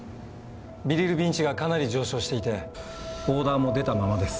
ビリルビン値がかなり上昇していて黄疸も出たままです。